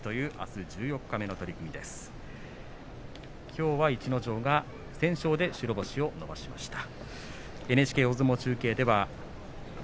きょうは逸ノ城不戦勝で白星を伸ばしました。